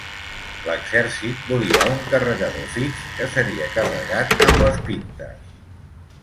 L'exèrcit volia un carregador fix que seria carregat amb les pintes.